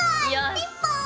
ピンポーン！